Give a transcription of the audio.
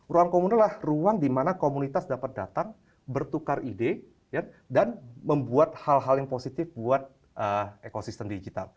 ruang komunitas adalah ruang di mana komunitas dapat datang bertukar ide dan membuat hal hal yang positif buat ekosistem digital